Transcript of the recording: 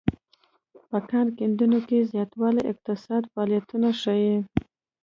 په کان کیندنه کې زیاتوالی اقتصادي فعالیتونه ښيي